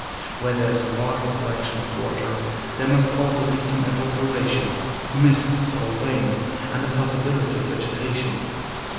Where there is a large collection of water there must also be some evaporation, mists or rain, and a possibility of vegetation.